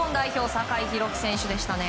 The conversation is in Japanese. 酒井宏樹選手でしたね。